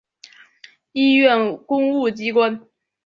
医院公务机关